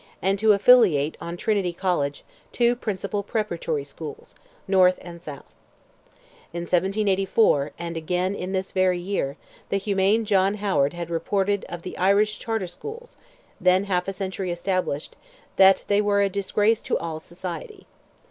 and to affiliate on Trinity College two principal preparatory schools, north and south. In 1784, and again in this very year, the humane John Howard had reported of the Irish Charter Schools, then half a century established, that they were "a disgrace to all society."